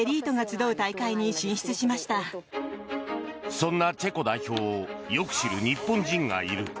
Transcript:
そんなチェコ代表をよく知る日本人がいる。